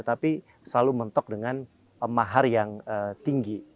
tapi selalu mentok dengan mahar yang tinggi